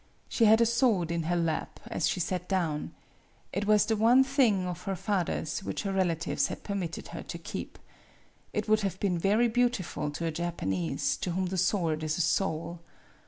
She had a sword in her lap as she sat down. It was the one thing of her father's which her rela tives had permitted her to keep. It would have been very beautiful to a Japanese, to whom the sword is a soul.